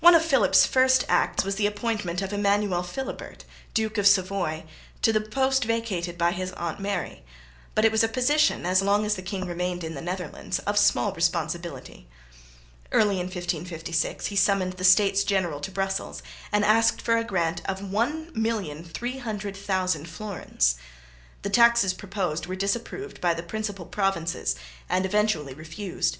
One of Philip's first acts was the appointment of Emmanuel Philibert, Duke of Savoy, to the post vacated by his aunt Mary; but it was a position, as long as the king remained in the Netherlands, of small responsibility. Early in 1556 he summoned the States General to Brussels and asked for a grant of 1,300,000 florins. The taxes proposed were disapproved by the principal provinces and eventually refused.